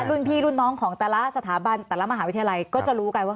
รุ่นพี่รุ่นน้องของแต่ละสถาบันแต่ละมหาวิทยาลัยก็จะรู้กันว่า